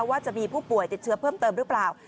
ว่าจะมีผู้ป่วยติดเชื้อเพิ่มเติมหรือเปล่า